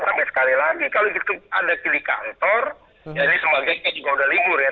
tapi sekali lagi kalau gitu ada di kantor jadi sebagainya juga sudah libur ya